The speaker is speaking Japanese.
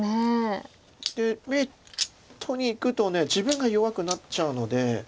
眼取りにいくと自分が弱くなっちゃうので。